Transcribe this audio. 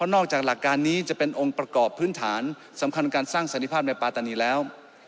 นอกจากหลักการนี้จะเป็นองค์ประกอบพื้นฐานสำคัญการสร้างสันติภาพในปาตานีแล้ว